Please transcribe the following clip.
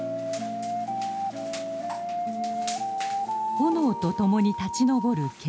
炎とともに立ち上る煙。